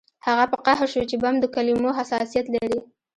هغه په قهر شو چې بم د کلمو حساسیت لري